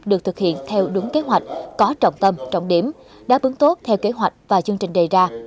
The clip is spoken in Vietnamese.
được thực hiện theo đúng kế hoạch có trọng tâm trọng điểm đáp ứng tốt theo kế hoạch và chương trình đề ra